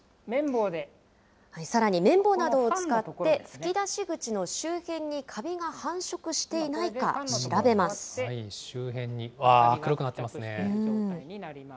さらに綿棒などを使って、吹き出し口の周辺にカビが繁殖していな周辺に、ああ、黒くなっていますね。